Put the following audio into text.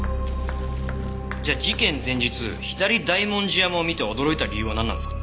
じゃあ事件前日左大文字山を見て驚いた理由はなんなんですか？